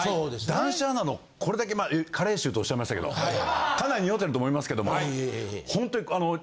男子アナのこれだけまあ加齢臭とおっしゃいましたけどかなり臭ってると思いますけども本当にあの。